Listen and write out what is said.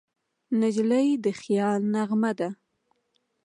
نجلۍ د خیال نغمه ده.